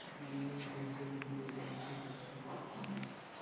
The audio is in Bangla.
কমান্ডার জাকারির বিরুদ্ধে নারী, শিশুসহ সাতজনকে হত্যার অভিযোগ রয়েছে বলে পুলিশ জানায়।